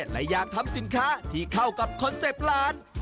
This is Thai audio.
และอยากทำสินค้าที่เข้ากับคอนเซ็ปต์ร้าน